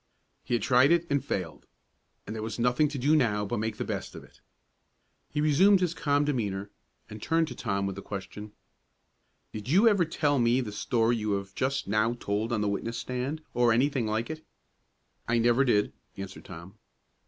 He had tried it and failed; and there was nothing to do now but make the best of it. He resumed his calm demeanor, and turned to Tom with the question, "Did you ever tell to me the story you have just now told on the witness stand, or any thing like it?" "I never did," answered Tom.